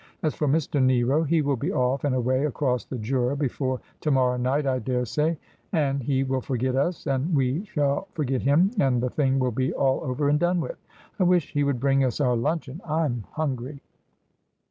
As for Mr. Nero, he will be off and away across the Jura before to morrow night, I daresay, and he will forget us, and we shall forget him, and the thing will be all over and done with. I wish he would bring us our luncheon. I'm hungry.'